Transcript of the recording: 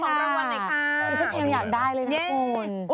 ฉันยังอยากได้เลยนะคุณ